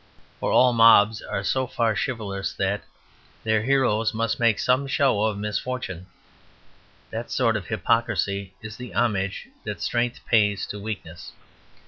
For all mobs are so far chivalrous that their heroes must make some show of misfortune that sort of hypocrisy is the homage that strength pays to weakness.